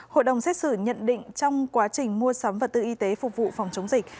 hội đồng xét xử nhận định trong quá trình mua sắm vật tư y tế phục vụ phòng chống dịch